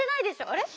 あれ？